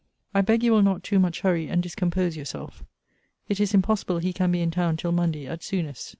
I beg you will not too much hurry and discompose yourself. It is impossible he can be in town till Monday, at soonest.